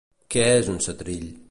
Què és un setrill?